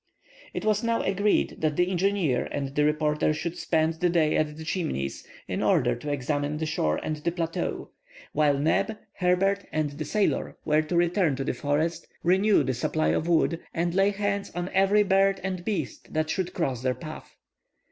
It was now agreed that the engineer and the reporter should spend the day at the Chimneys, in order to examine the shore and the plateau, while Neb, Herbert, and the sailor were to return to the forest, renew the supply of wood, and lay hands on every bird and beast that should cross their path.